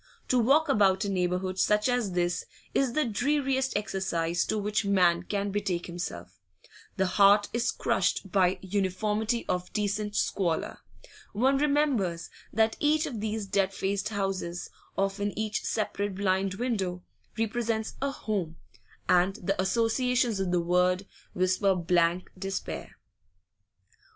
To walk about a neighbourhood such as this is the dreariest exercise to which man can betake himself; the heart is crushed by uniformity of decent squalor; one remembers that each of these dead faced houses, often each separate blind window, represents a 'home,' and the associations of the word whisper blank despair.